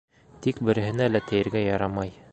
Тик береһенә лә тейергә ярамай.